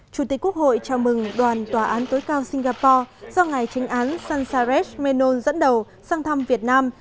chủ tịch quốc hội chào mừng đoàn tòa án tối cao singapore do ngài tránh án sanchares menon dẫn đầu sang thăm việt nam